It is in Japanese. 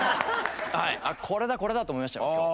これだこれだ！と思いましたよ今日。